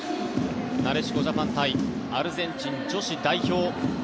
なでしこジャパン対アルゼンチン女子代表。